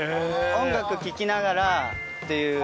音楽聴きながらっていう。